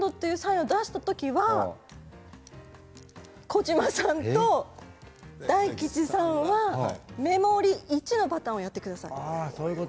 これを出した時は児嶋さんと大吉さんはメモリー１のパターンをやってください。